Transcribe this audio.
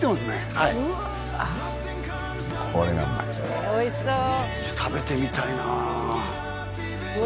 はいこれがうまいおいしそう食べてみたいなあうわ